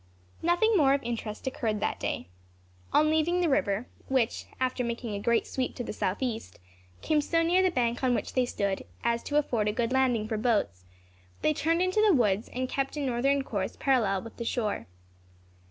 Nothing more of interest occurred that day. On leaving the river, which, after making a great sweep to the south east, came so near the bank on which they stood, as to afford a good landing for boats, they turned into the woods and kept a northern course parallel with the shore.